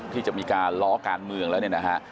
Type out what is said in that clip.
ที่จะมีการล้อการเมืองแล้วเนี่ยนะฮะ